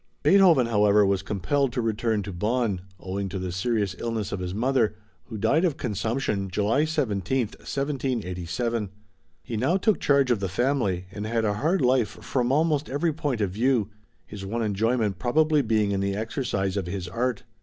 Beethoven, however, was compelled to return to Bonn, owing to the serious illness of his mother, who died of consumption July 17, 1787. He now took charge of the family and had a hard life from almost every point of view, his one enjoyment probably being in the exercise of his art.